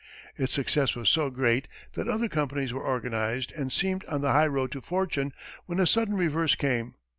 Its success was so great that other companies were organized and seemed on the highroad to fortune, when a sudden reverse came.